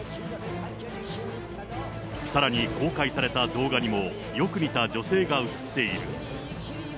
さらに公開された動画にも、よく似た女性が映っている。